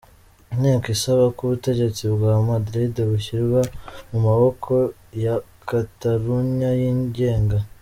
Inteko isaba ko ubutegetsi bwa Madrid bushyirwa mu maboko ya Katalunya yigenga.